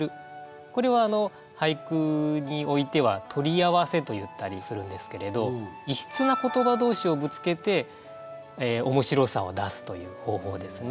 これは俳句においては取り合わせと言ったりするんですけれど異質な言葉同士をぶつけて面白さを出すという方法ですね。